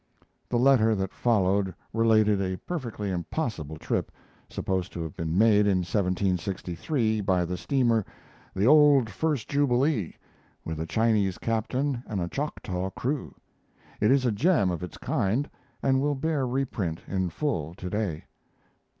The letter that followed related a perfectly impossible trip, supposed to have been made in 1763 by the steamer "the old first Jubilee" with a "Chinese captain and a Choctaw crew." It is a gem of its kind, and will bear reprint in full today.